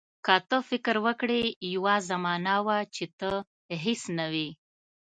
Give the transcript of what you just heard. که ته فکر وکړې یوه زمانه وه چې ته هیڅ نه وې.